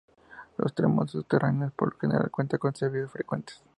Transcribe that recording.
Los tramos subterráneos por lo general cuentan con servicios frecuentes.